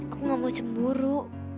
aku gak mau cemburu